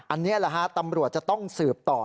อันนี้ตำรวจจะต้องเสือบต่อ